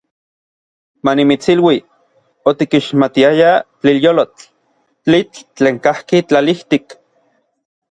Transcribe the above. Manimitsilui, otikixmatiayaj tlilyolotl, tlitl tlen kajki tlalijtik.